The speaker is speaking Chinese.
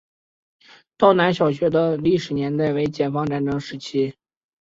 道南小学的历史年代为解放战争时期。